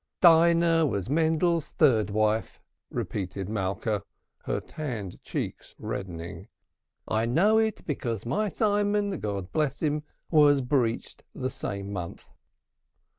"Dinah was Mendel's third wife," repeated Malka, her tanned cheeks reddening. "I know it because my Simon, God bless him, was breeched the same month."